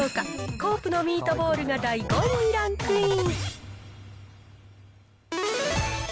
コープのミートボールが第５位にランクイン。